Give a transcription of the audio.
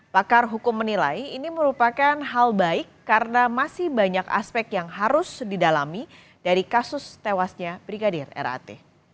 pakar hukum menilai ini merupakan hal baik karena masih banyak aspek yang harus didalami dari kasus tewasnya brigadir rat